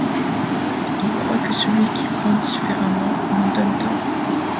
Ils croient que celui qui pense différemment nous donne tort.